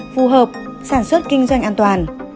phù hợp sản xuất kinh doanh an toàn